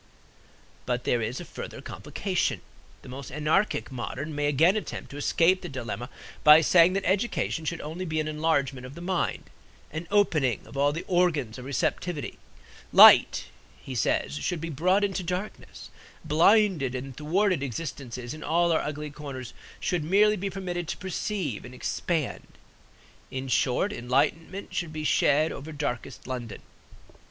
But there is a further complication. The more anarchic modern may again attempt to escape the dilemma by saying that education should only be an enlargement of the mind, an opening of all the organs of receptivity. Light (he says) should be brought into darkness; blinded and thwarted existences in all our ugly corners should merely be permitted to perceive and expand; in short, enlightenment should be shed over darkest London.